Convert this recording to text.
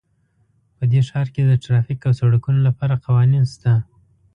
په دې ښار کې د ټرافیک او سړکونو لپاره قوانین شته